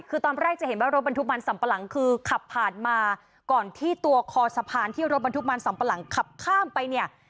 คือตอนแรกจะเห็นว่ารถบรรทุกมันสัมปะหลังคือขับผ่านมาก่อนที่ตัวคอสะพานที่รถบรรทุกมันสำปะหลังขับข้ามไปเนี่ย